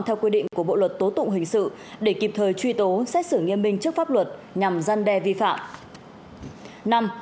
theo quy định của bộ luật tố tụng hình sự để kịp thời truy tố xét xử nghiêm minh trước pháp luật nhằm gian đe vi phạm